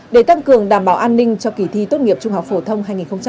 để tăng cường đảm bảo an ninh cho kỳ thi tốt nghiệp trung học phổ thông hai nghìn hai mươi